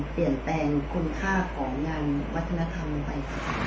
เปลี่ยนแปลงคุณค่าของงานวัฒนธรรมลงไป